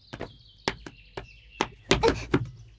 belum dikasih kok